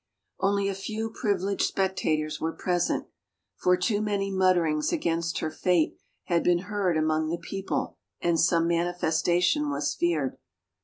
Only a few privileged spectators were present, for too many mutterings against her fate had been heard among the people and some manifestation was feared.